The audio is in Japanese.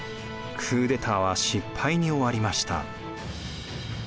クーデターは失敗に終わりました。